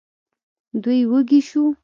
دوی وږي شوو.